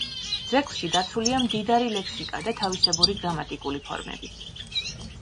ძეგლში დაცულია მდიდარი ლექსიკა და თავისებური გრამატიკული ფორმები.